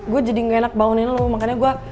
gue jadi gak enak bangunin lu makanya gue